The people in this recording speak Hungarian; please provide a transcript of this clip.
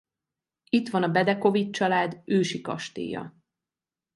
Itt van a Bedekovich-család ősi kastélya.